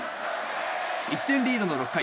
１点リードの６回。